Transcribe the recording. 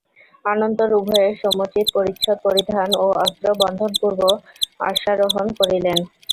অনন্তর উভয়ে সমুচিত পরিচ্ছদ-পরিধান ও অস্ত্র বন্ধনপূর্বক অশ্বারোহণ করিলেন।